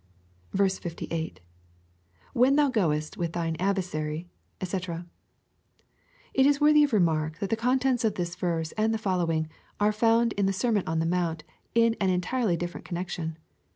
58. —[ When thou goest with thine adversary ^ <0c.] It is worthy of remark that the contents of this verse and the following, are found in the Sermon on the Mount in an entirely different con nection.